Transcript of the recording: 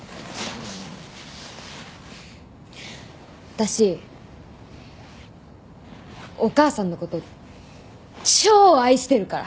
私お母さんの事超愛してるから。